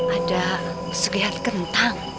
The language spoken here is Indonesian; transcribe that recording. ada pesulian kentang